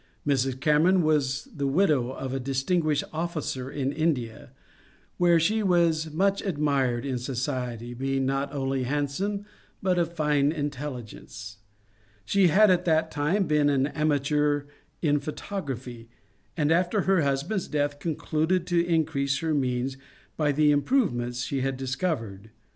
Mrs. Cameron was the widow of a distinguished o£Gicer in India, where she was much admired in society, being not only handsome but of fine intelligence. She had at that time been an amateur in photography, and after her husband's death concluded to increase her means by the improvements she had discovered.